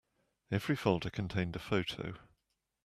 Every folder contained a photo.